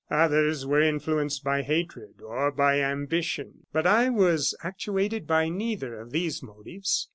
Others were influenced by hatred, or by ambition; but I was actuated by neither of these motives.